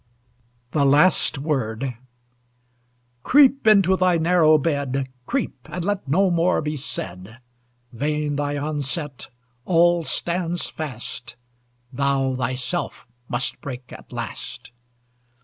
THE LAST WORD Creep into thy narrow bed, Creep, and let no more be said! Vain thy onset! all stands fast. Thou thyself must break at last.